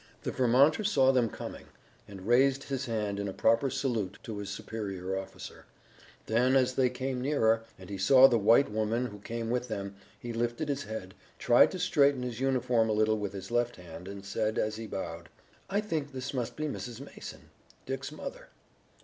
The Vermonter saw them coming, and raised his hand in a proper salute to his superior officer. Then as they came nearer, and he saw the white woman who came with them, he lifted his head, tried to straighten his uniform a little with his left hand, and said as he bowed: "I think this must be Mrs. Mason, Dick's mother."